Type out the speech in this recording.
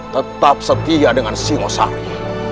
tetap setia dengan singosari